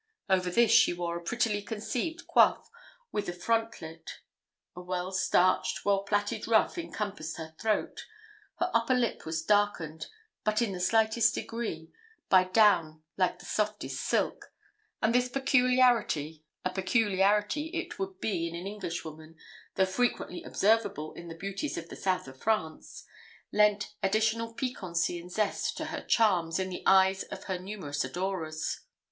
Over this she wore a prettily conceived coif, with a frontlet. A well starched, well plaited ruff encompossed her throat. Her upper lip was darkened, but in the slightest degree, by down like the softest silk; and this peculiarity (a peculiarity it would be in an Englishwoman, though frequently observable in the beauties of the South of France) lent additional piquancy and zest to her charms in the eyes of her numerous adorers.